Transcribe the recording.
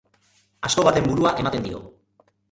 Asto baten burua ematen dio.